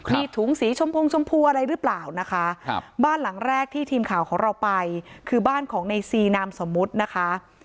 มีถุงสีชมพงชมพูอะไรหรือเปล่านะคะครับบ้านหลังแรกที่ทีมข่าวของเราไปคือบ้านของในซีนามสมมุตินะคะ